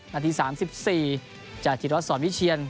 นาธิสามสิบสี่จากที่รถสอนวิเชียน